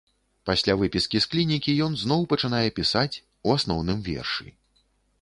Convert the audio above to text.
Пасля выпіскі з клінікі ён зноў пачынае пісаць, у асноўным вершы.